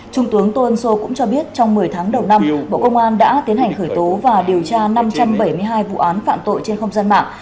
trung tướng tô ân sô cũng cho biết trong một mươi tháng đầu năm bộ công an đã tiến hành khởi tố và điều tra năm trăm bảy mươi hai vụ án phạm tội trên không gian mạng